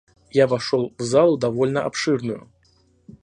Я вошел в залу довольно обширную.